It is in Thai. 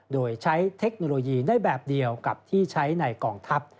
โดยใช้เทคโนโลยีได้แบบเดียวกับที่ใช้ในกองทัพ